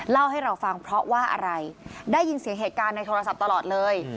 เล่าให้เราฟังเพราะว่าอะไรได้ยินเสียงเหตุการณ์ในโทรศัพท์ตลอดเลย